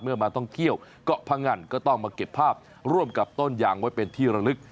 มาท่องเที่ยวเกาะพงันก็ต้องมาเก็บภาพร่วมกับต้นยางไว้เป็นที่ระลึก